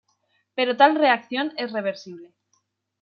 Pero tal reacción es reversible.